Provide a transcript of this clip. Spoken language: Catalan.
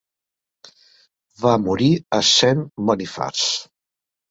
Va morir a Saint Boniface.